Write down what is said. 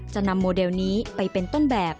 จะนำโมเดลนี้ไปเป็นต้นแบบ